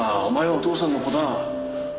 お前はお父さんの子だ。